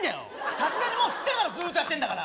さすがにもう知ってるだろずっとやってんだから。